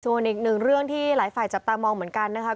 ส่วนอีกหนึ่งเรื่องที่หลายฝ่ายจับตามองเหมือนกันนะครับ